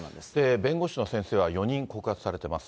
弁護士の先生は４人告発されています。